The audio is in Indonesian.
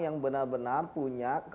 yang benar benar punya